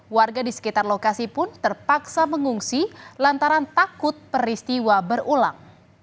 warga di sekitar lokasi pun terpaksa mengungsi lantaran takut peristiwa berulang